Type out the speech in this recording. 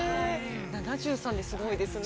７３ってすごいですね。